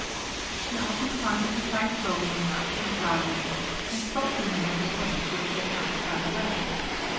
She often climbed beside Toby and watched him driving, and spoke to him of the things which they passed by the way.